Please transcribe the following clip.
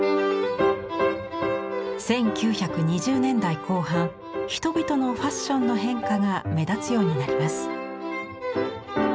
１９２０年代後半人々のファッションの変化が目立つようになります。